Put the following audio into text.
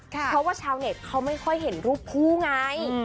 เพราะว่าชาวเน็ตเขาไม่ค่อยเห็นรูปคู่ไง